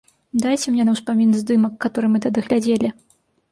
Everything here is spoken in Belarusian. Дайце мне на ўспамін здымак, каторы мы тады глядзелі.